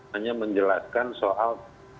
hanya menjelaskan soal